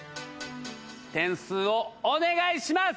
点数をお願いします！